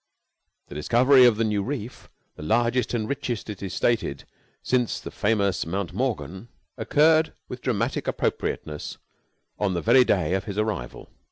The discovery of the new reef, the largest and richest, it is stated, since the famous Mount Morgan, occurred with dramatic appropriateness on the very day of his arrival.